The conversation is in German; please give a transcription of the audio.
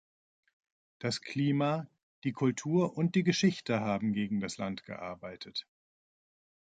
Das Klima, die Kultur und die Geschichte haben gegen das Land gearbeitet.